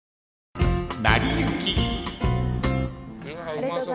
うまそう。